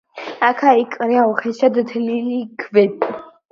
აქა-იქ ყრია უხეშად თლილი ქვები.